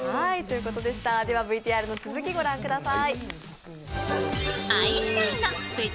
ＶＴＲの続き御覧ください。